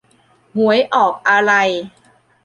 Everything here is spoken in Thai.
หวยออกอะไร